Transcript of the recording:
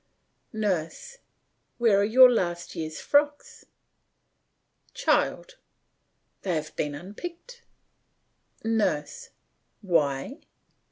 NURSE: Where are your last year's frocks? CHILD: They have been unpicked. NURSE: Why!